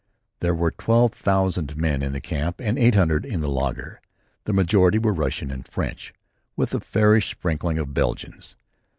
There were twelve thousand men in the camp and eight hundred in the laager. The majority were Russian and French with a fairish sprinkling of Belgians.